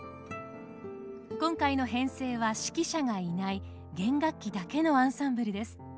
今回の編成は指揮者がいない弦楽器だけのアンサンブルです。